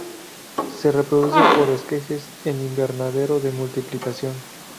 Se reproduce por esquejes, en invernadero de multiplicación.